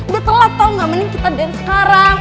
udah telat tau gak mending kita dan sekarang